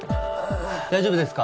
大丈夫ですか？